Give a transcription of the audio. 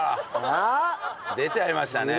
出ちゃいましたね。